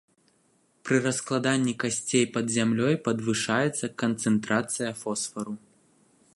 Пры раскладанні касцей пад зямлёй падвышаецца канцэнтрацыя фосфару.